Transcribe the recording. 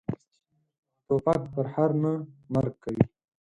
توپک پرهر نه، مرګ کوي.